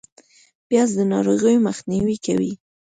پیاز د ناروغیو مخنیوی کوي